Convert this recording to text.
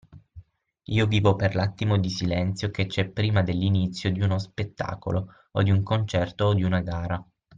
Io vivo per l’attimo di silenzio che c’è prima dell’inizio di uno spettacolo o di un concerto o di una gara.